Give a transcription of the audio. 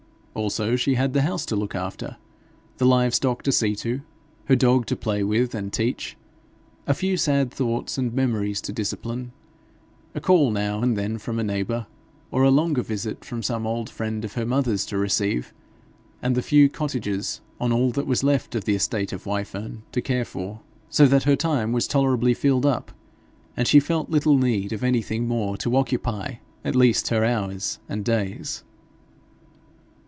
Also, she had the house to look after, the live stock to see to, her dog to play with and teach, a few sad thoughts and memories to discipline, a call now and then from a neighbour, or a longer visit from some old friend of her mother's to receive, and the few cottagers on all that was left of the estate of Wyfern to care for; so that her time was tolerably filled up, and she felt little need of anything more to occupy at least her hours and days.